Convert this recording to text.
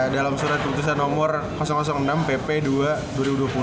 dalam surat keputusan nomor enam pp dua dua ribu dua puluh